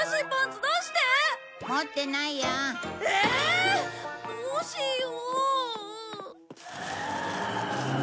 どうしよう。